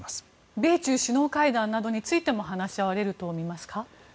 米中首脳会談などについても話し合われるとみますか？